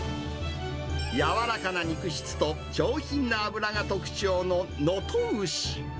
柔らかな肉質と上品なあばらが特徴の、能登牛。